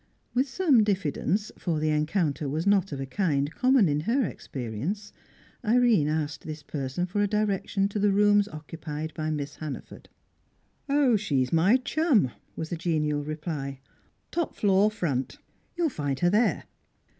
With some diffidence, for the encounter was not of a kind common in her experience, Irene asked this person for a direction to the rooms occupied by Miss Hannaford. "Oh, she's my chum," was the genial reply. "Top floor, front. You'll find her there."